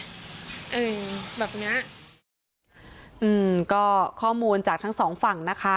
เออแบบเนี้ยอืมก็ข้อมูลจากทั้งสองฝั่งนะคะ